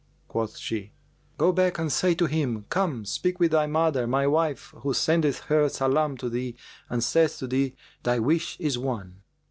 Quoth she, "Go back and say to him, 'Come, speak with thy mother, my wife, who sendeth her salam to thee and saith to thee, Thy wish is won.'"